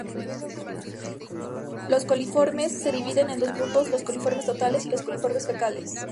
Los coliformes se dividen en dos grupos, los coliformes totales y los coliformes fecales.